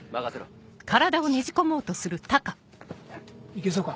行けそうか？